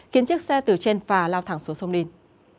khiến chiếc xe từ trên phà lao thẳng xuống sông ninh